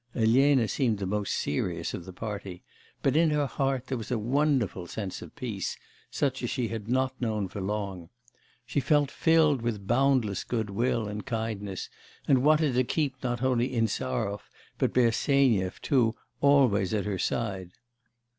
Elena seemed the most serious of the party, but in her heart there was a wonderful sense of peace, such as she had not known for long. She felt filled with boundless goodwill and kindness, and wanted to keep not only Insarov, but Bersenyev too, always at her side....